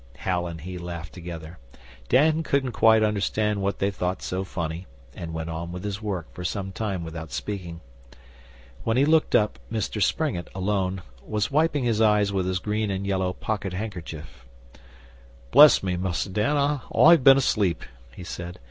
Hal and he laughed together. Dan couldn't quite understand what they thought so funny, and went on with his work for some time without speaking. When he looked up, Mr Springett, alone, was wiping his eyes with his green and yellow pocket handkerchief. 'Bless me, Mus' Dan, I've been asleep,' he said.